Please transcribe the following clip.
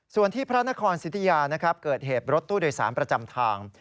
ส่วนที่พระนครสิทธิยานะครับเกิดเหตุรถตู้โดยสารประจำทาง